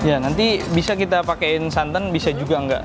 ya nanti bisa kita pakaiin santan bisa juga enggak